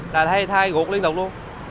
là thay rụt liên tục luôn